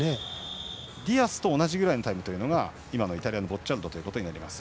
ディアスと同じくらいのタイムというのがイタリアのボッチャルドでした。